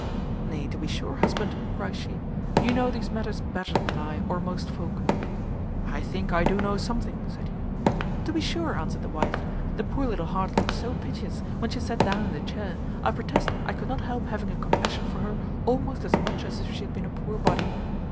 "Nay, to be sure, husband," cries she, "you know these matters better than I, or most folk." "I think I do know something," said he. "To be sure," answered the wife, "the poor little heart looked so piteous, when she sat down in the chair, I protest I could not help having a compassion for her almost as much as if she had been a poor body.